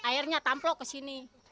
airnya tampelok ke sini